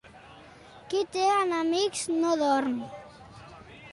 Qui té enemics, no dorm.